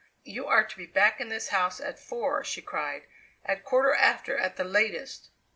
"You are to be back in this house at four!" she cried; "at quarter after at the latest."